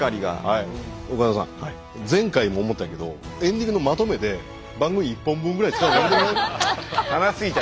前回も思ったけどエンディングのまとめで番組１本分ぐらい使うのやめてもらえる？